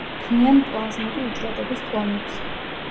ქმნიან პლაზმური უჯრედების კლონებს.